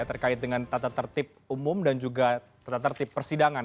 terkait dengan tata tertib umum dan juga tata tertib persidangan